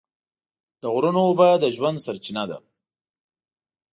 د غرونو اوبه د ژوند سرچینه ده.